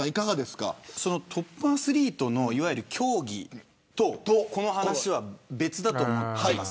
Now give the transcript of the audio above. トップアスリートの競技とこの話は別だと思います。